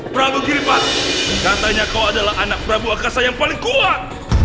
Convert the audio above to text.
prabu gilipat katanya kau adalah anak prabu akasa yang paling kuat